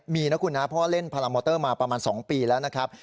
มีนะคุณนะเพราะว่าเล่นพารามอเตอร์มาประมาณ๒ปีแล้วนะครับ